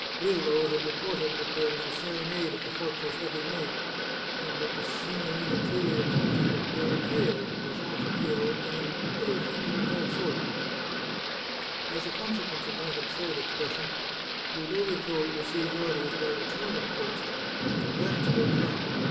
Grillo had reported that there was a serenade 427 The Chartreuse of Parma at the fortress every night, that the Signorina Clelia Conti looked very pale, was often ill, and other things of that sort. As a consequence of this absurd expression, Ludovico re ceived orders, by return of post, to come back to Locarno.